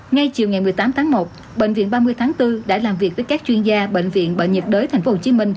ngay chiều ngày một mươi tám tháng một bệnh viện ba mươi tháng bốn đã làm việc với các chuyên gia bệnh viện bệnh nhiệt đới tp hcm